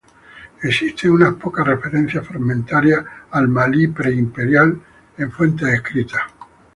Existen unas pocas referencias fragmentarias al Malí pre imperial en fuentes escritas.